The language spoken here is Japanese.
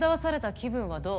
気分はどう？